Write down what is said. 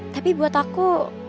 tapi buat aku